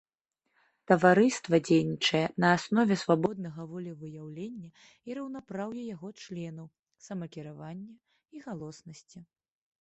Таварыства дзейнічае на аснове свабоднага волевыяўлення і раўнапраўя яго членаў, самакіравання і галоснасці.